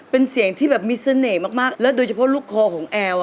เป็นเสียงที่แบบมีเสน่ห์มากแล้วโดยเฉพาะลูกคอของแอล